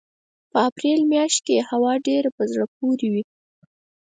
په اپرېل مياشت کې یې هوا ډېره په زړه پورې وي.